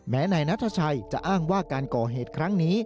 นายนัทชัยจะอ้างว่าการก่อเหตุครั้งนี้